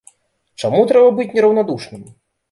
Чаму трэба быць нераўнадушным?